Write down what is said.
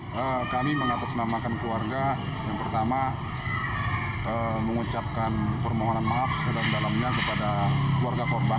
pertama kami mengatasnamakan keluarga yang pertama mengucapkan permohonan maaf sedalam dalamnya kepada keluarga korban